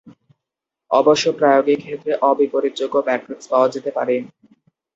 অবশ্য প্রায়োগিক ক্ষেত্রে অ-বিপরীতযোগ্য ম্যাট্রিক্স পাওয়া যেতে পারে।